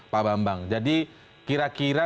pak bambang jadi kira kira